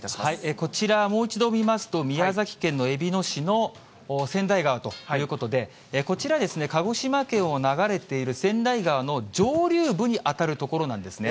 こちら、もう一度見ますと、宮崎県のえびの市の川内川ということで、こちら、鹿児島県を流れている川内川の上流部に当たる所なんですね。